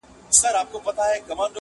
زما غزل تې ستا له حُسنه اِلهام راوړ,